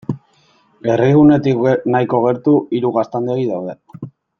Herrigunetik nahiko gertu, hiru gaztandegi daude.